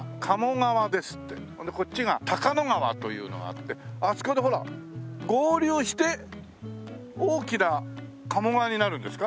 それでこっちが高野川というのがあってあそこでほら合流して大きな鴨川になるんですか？